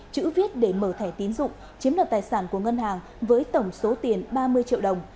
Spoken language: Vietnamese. chữ viết để mở thẻ tín dụng chiếm đoạt tài sản của ngân hàng với tổng số tiền ba mươi triệu đồng